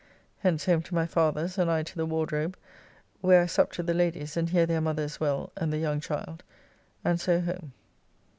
Hence home to my father's, and I to the Wardrobe, where I supped with the ladies, and hear their mother is well and the young child, and so home.